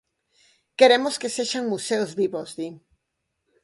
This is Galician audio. Queremos que sexan museos vivos, di.